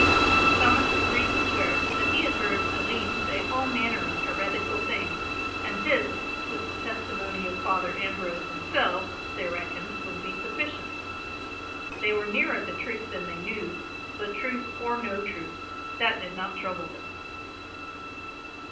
Thomas agreed to swear that he had heard Aline say all manner of heretical things and this, with the testimony of Father Ambrose himself, they reckoned would be sufficient. They were nearer the truth than they knew, but truth or no truth that did not trouble them.